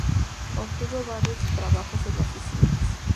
Obtuvo varios trabajos en oficinas.